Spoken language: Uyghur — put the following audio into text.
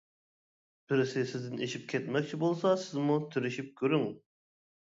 بىرسى سىزدىن ئېشىپ كەتمەكچى بولسا سىزمۇ تىرىشىپ كۆرۈڭ.